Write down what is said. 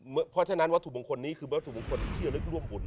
เพราะฉะนั้นวัตถุมงคลนี้คือวัตถุมงคลที่ระลึกร่วมบุญ